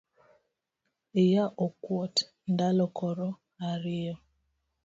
Iya okuot ndalo koro ariyo